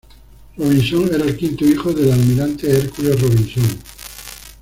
Robinson era el quinto hijo del Almirante Hercules Robinson.